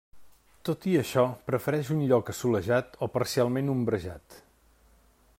Tot i això, prefereix un lloc assolellat o parcialment ombrejat.